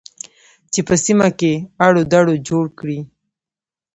چې په سیمه کې اړو دوړ جوړ کړي